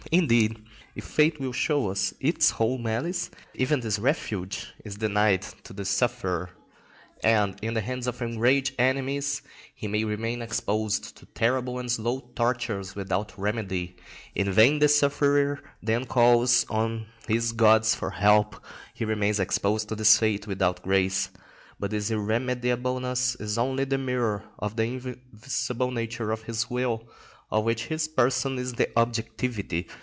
Indeed, if fate will show its whole malice, even this refuge is denied to the sufferer, and, in the hands of enraged enemies, he may remain exposed to terrible and slow tortures without remedy. In vain the sufferer then calls on his gods for help; he remains exposed to his fate without grace. But this irremediableness is only the mirror of the invincible nature of his will, of which his person is the objectivity.